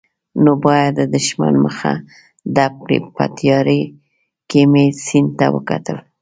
نو باید د دښمن مخه ډب کړي، په تیارې کې مې سیند ته وکتل.